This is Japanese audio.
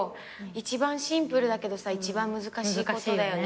一番シンプルだけど一番難しいことだよね。